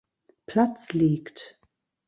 Platz liegt.